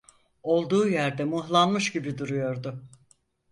Olduğu yerde mıhlanmış gibi duruyordu.